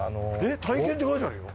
体験って書いてあるよ。